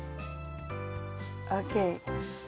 ＯＫ！